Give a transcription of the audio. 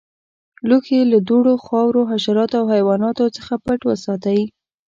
لوښي له دوړو، خاورو، حشراتو او حیواناتو څخه پټ وساتئ.